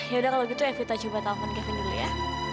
yaudah kalau gitu ya kita coba telfon kevin dulu ya